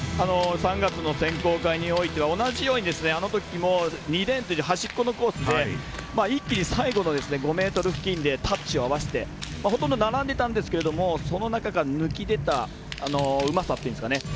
３月の選考会においては同じようにあのときも２レーンっていう端っこのコースで一気に最後の５ｍ付近でタッチを合わせて、ほとんど並んでいたんですけどその中から抜き出たうまさっていうんですかね